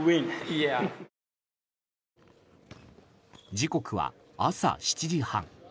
時刻は朝７時半。